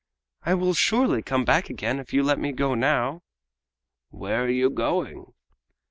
"I will surely come back again, if you let me go now!" "Where are you going?"